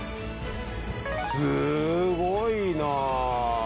すごいな！